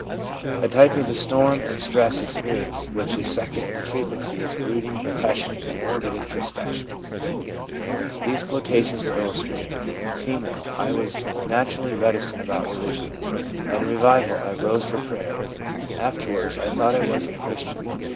A type of the storm and stress experience which is second in frequency is brooding, depression and morbid introspection. These quotations will illustrate : F. ' I was naturally reticent about religion. At a revival I rose for prayer. Afterwards I thought I wasn't a Christian.